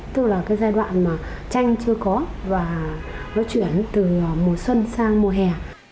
tức là cái giai đoạn mà tranh chưa có và nó chuyển từ mùa xuân sang mùa hè